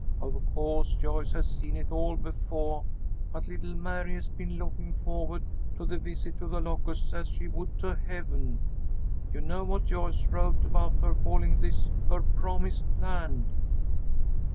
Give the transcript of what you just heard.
Of co'se Joyce has seen it all befoah, but little Mary has been looking foh'wa'd to this visit to The Locusts as she would to heaven. You know what Joyce wrote about her calling this her promised land."